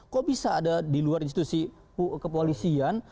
kok bisa ada di luar institusi kepolisian